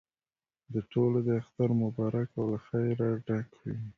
د ټولو دې اختر مبارک او له خیره ډک وي.